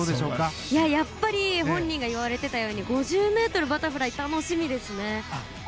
やっぱり本人が言われていたように５０ｍバタフライが楽しみですよね。